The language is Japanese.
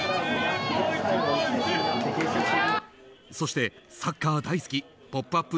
そして、サッカー大好き「ポップＵＰ！」